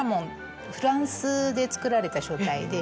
フランスで作られた書体で。